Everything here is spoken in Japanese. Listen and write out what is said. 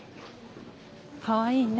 かわいいね。